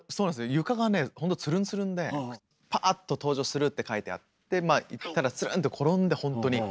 床がねほんとツルンツルンで「パーッと登場する」って書いてあってまあ行ったらツルンって転んでほんとに。